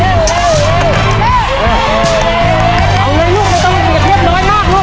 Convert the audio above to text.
เอาเลยลูกต้องเปรียบน้อยมากลูก